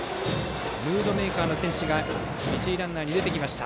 ムードメーカーの選手が一塁ランナーに出てきました。